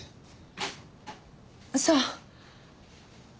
そう。